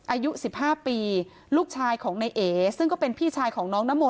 อายุ๑๕ปีลูกชายของนายเอซึ่งก็เป็นพี่ชายของน้องนโม